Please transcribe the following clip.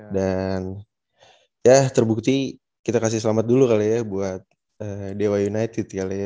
dan ya terbukti kita kasih selamat dulu kali ya buat dewa united kali ya